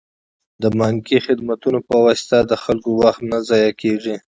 د بانکي خدمتونو په واسطه د خلکو وخت نه ضایع کیږي.